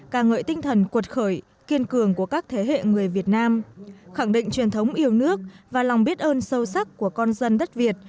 càng ngợi tinh thần cuột khởi kiên cường của các thế hệ người việt nam khẳng định truyền thống yêu nước và lòng biết ơn sâu sắc của con dân đất việt